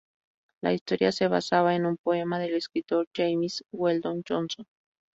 La historia se basaba en un poema del escritor James Weldon Johnson.